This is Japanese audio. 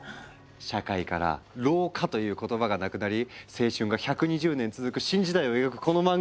社会から老化という言葉がなくなり青春が１２０年続く新時代を描くこの漫画！